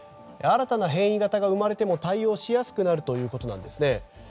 新たな変異型が生まれても対応しやすくなるということです。